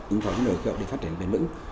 ứng phó với biến đổi khí hậu để phát triển mềm vững